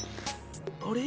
あれ？